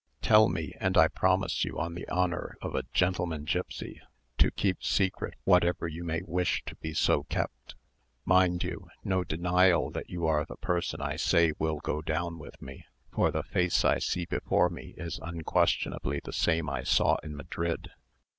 Tell me, and I promise you, on the honour of a gentleman gipsy, to keep secret whatever you may wish to be so kept. Mind you, no denial that you are the person I say will go down with me; for the face I see before me is unquestionably the same I saw in Madrid.